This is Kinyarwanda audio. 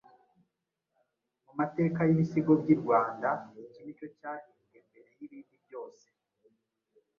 Mu mateka y’Ibisigo by’i Rwanda iki ni cyo cyahimbwe mbere y’ibindi byose.